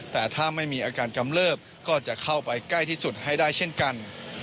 แต่ถ้าไม่มีอาการกำเลิบก็จะเข้าไปใกล้ที่สุดให้ได้เช่นกัน